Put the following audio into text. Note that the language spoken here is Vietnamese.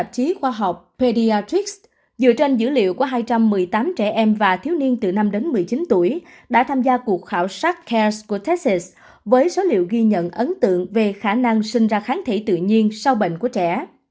tạp chí khoa học peds dựa trên dữ liệu của hai trăm một mươi tám trẻ em và thiếu niên từ năm đến một mươi chín tuổi đã tham gia cuộc khảo sát cars của test với số liệu ghi nhận ấn tượng về khả năng sinh ra kháng thể tự nhiên sau bệnh của trẻ